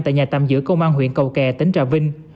tại nhà tạm giữ công an huyện cầu kè tỉnh trà vinh